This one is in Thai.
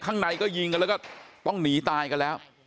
ข้างในก็ยิงกันแล้วก็ต้องหนีตายกันแล้ว